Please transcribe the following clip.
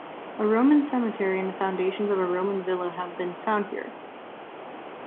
A Roman cemetery and the foundations of a Roman villa have been found here.